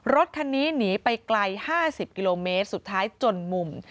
รถคันนี้หนีไปไกล๕๐กิโลเมตรสุดท้ายจนมุม